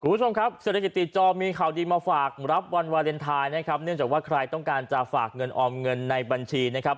กุธชมครับเศรษฐกิจติจอมมีข่าวดีมาฝากรับวันวาเลนไทยเนื่องจากว่าใครต้องการจะฝากเงินออมเงินในบัญชี